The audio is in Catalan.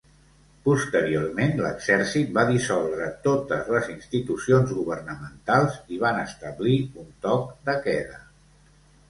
Posteriorment, l'exèrcit va dissoldre totes les institucions governamentals i van establir un toc de queda.